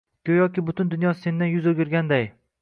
Goʻyoki butun dunyo sendan yuz oʻgirganday.